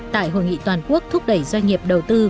tại hội nghị toàn quốc thúc đẩy doanh nghiệp đầu tư